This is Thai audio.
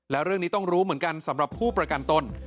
แล้วเรื่องนี้ต้องรู้เหมือนกันสำหรับผู้ประกันตน